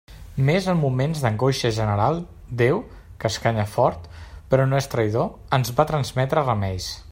Mes en moments d'angoixa general, Déu, que escanya fort, però no és traïdor, ens va trametre remeis.